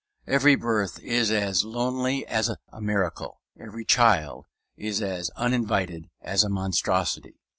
Every birth is as lonely as a miracle. Every child is as uninvited as a monstrosity.